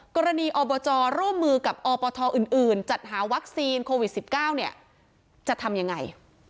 กรณีอบจร่วมมือกับอปทอื่นจัดหาวัคซีนโควิด๑๙จะทำยังไง